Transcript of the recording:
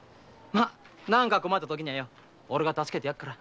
ま何か困ったときには俺が助けてやるから。